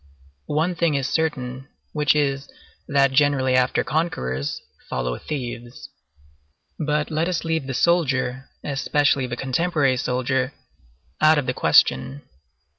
One thing is certain, which is, that generally after conquerors follow thieves. But let us leave the soldier, especially the contemporary soldier, out of the question.